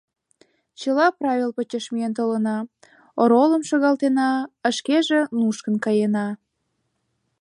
Чыла правил почеш миен толына: оролым шогалтена, а шкеже нушкын каена...